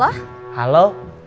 barusan aku udah nanya